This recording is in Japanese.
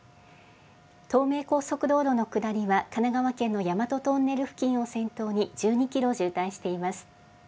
東名高速道路の下りは神奈川県の大和トンネル付近を先頭に１２キロ渋滞しています。